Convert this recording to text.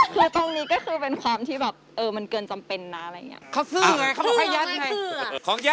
ตรงนี้ก็คือเป็นความที่แบบเอ่อมันเกินจำเป็นน้ำอะไรอย่างนี้